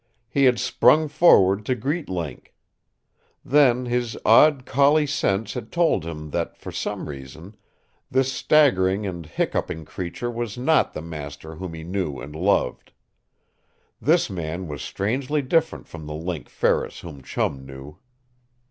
He had sprung forward to greet Link. Then, his odd collie sense had told him that for some reason this staggering and hiccuping creature was not the master whom he knew and loved. This man was strangely different from the Link Ferris whom Chum knew.